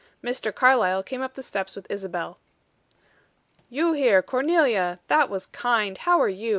Mr. Carlyle came up the steps with Isabel. "You here, Cornelia! That was kind. How are you?